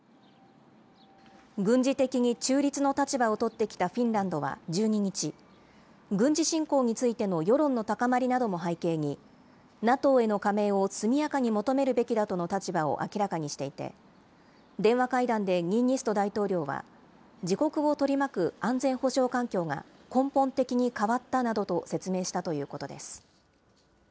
軍事的に中立の立場を取ってきたフィンランドは１２日、軍事侵攻についての世論の高まりなども背景に、ＮＡＴＯへの加盟を速やかに求めるべきだとの立場を明らかにしていて、電話会談でニーニスト大統領は、自国を取り巻く安全保障環境が根本的に変わったなどと説明したということです。